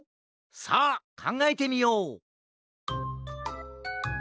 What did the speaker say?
さあかんがえてみよう！